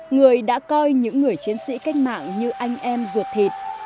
người đã coi những người chiến sĩ cách mạng như anh em ruột thịt